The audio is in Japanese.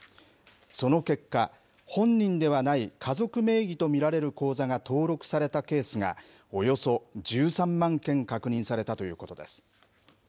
その結果、本人ではない家族名義と見られる口座が登録されたケースが、およそ１３万件確認されたということです。